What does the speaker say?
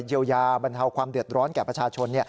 เยียวยาบรรเทาความเดือดร้อนแก่ประชาชน